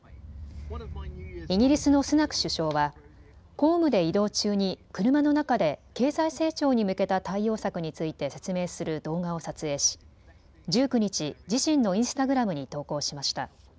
イギリスのスナク首相は公務で移動中に車の中で経済成長に向けた対応策について説明する動画を撮影し１９日、自身のインスタグラムに投稿しました。